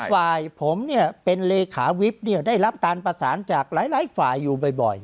ฝ่ายผมเนี่ยเป็นเลขาวิบได้รับการประสานจากหลายฝ่ายอยู่บ่อย